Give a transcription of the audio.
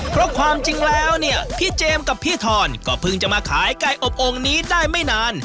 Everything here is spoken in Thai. เพราะความจริงแล้วเนี่ยพี่เจมส์กับพี่ทอนก็เพิ่งจะมาขายไก่อบองค์นี้ได้ไม่นาน